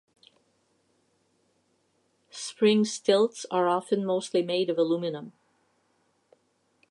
Spring stilts are often mostly made of aluminium.